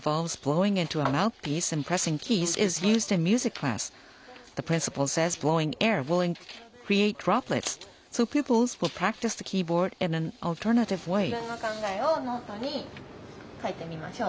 自分の考えをノートに書いてみましょう。